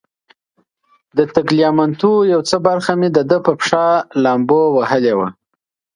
د تګلیامنتو یو څه برخه مې د ده په پښه لامبو وهلې وه.